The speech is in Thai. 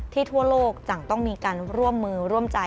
ทั่วโลกจังต้องมีการร่วมมือร่วมใจ